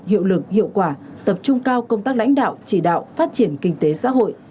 hiệu lực hiệu quả tập trung cao công tác lãnh đạo chỉ đạo phát triển kinh tế xã hội